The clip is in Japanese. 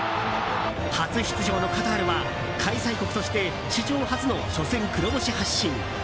初出場のカタールは開催国として史上初の初戦黒星発進。